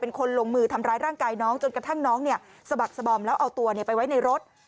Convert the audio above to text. คนลงมือทำร้ายร่างกายน้องจนกระทั่งน้องสะบักสบอมแล้วเอาตัวไปไว้ในรถ